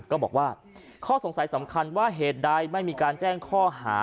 ก็บอกว่าข้อสงสัยสำคัญว่าเหตุใดไม่มีการแจ้งข้อหา